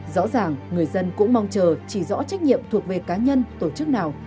rõ ràng người dân cũng mong chờ chỉ rõ trách nhiệm thuộc về cá nhân tổ chức nào